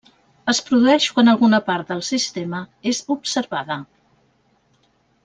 Es produeix quan alguna part del sistema és observada.